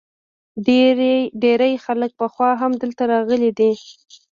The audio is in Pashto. ډیری خلک پخوا هم دلته راغلي دي